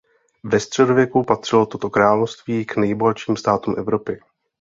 Ve středověku patřilo toto království k nejbohatším státům Evropy.